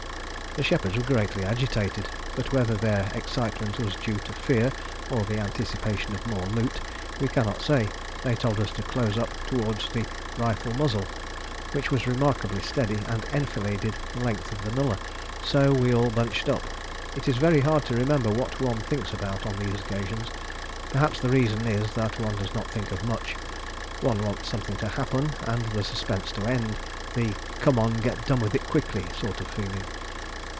The shepherds were greatly agitated; but whether their excitement was due to fear or the anticipation of more loot we cannot say. They told us to close up towards the rifle muzzle, which was remarkably steady and enfiladed the length of the nullah; so we all bunched up. It is very hard to remember what one thinks about on these occasions: perhaps the reason is that one does not think of much. One wants something to happen and the suspense to end; the "Come on! get done with it quickly" sort of feeling.